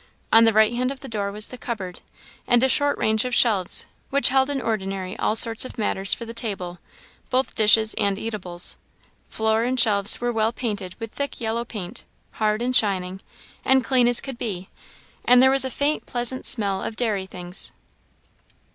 On the right hand of the door was the cupboard, and a short range of shelves, which held in ordinary all sorts of matters for the table, both dishes and eatables. Floor and shelves were well painted with thick yellow paint, hard and shining, and clean as could be; and there was a faint pleasant smell of dairy things.